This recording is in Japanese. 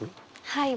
はい。